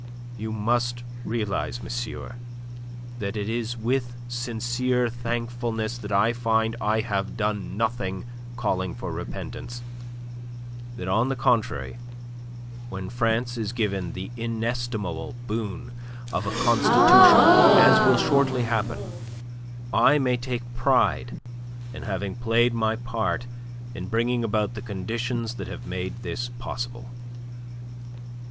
"You must realize, monsieur, that it is with sincerest thankfulness that I find I have done nothing calling for repentance; that, on the contrary, when France is given the inestimable boon of a constitution, as will shortly happen, I may take pride in having played my part in bringing about the conditions that have made this possible."